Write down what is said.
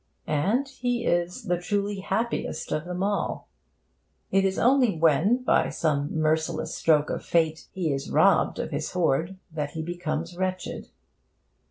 And he is the truly happiest of them all. It is only when, by some merciless stroke of Fate, he is robbed of his hoard, that he becomes wretched.